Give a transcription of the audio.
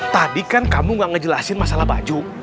tadi kan kamu gak ngejelasin masalah baju